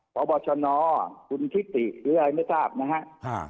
คุณสร้างคิตสุรรัสติหรืออะไรไม่ทราบนะฮะอ่า